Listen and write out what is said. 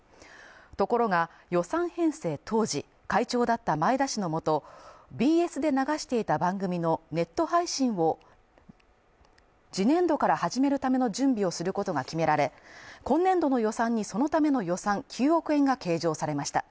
ところが、予算編成当時会長だった前田氏のもと、ＢＳで流していた番組のネット配信を次年度から始めるための準備をすることが決められ、今年度の予算にそのための予算９億円が計上されました。